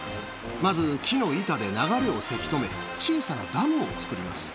まず木の板で流れをせき止め、小さなダムを作ります。